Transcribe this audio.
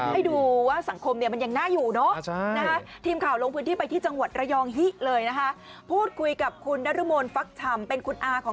ให้ดูว่าสังคมเนี่ยมันยังน่าอยู่เนอะ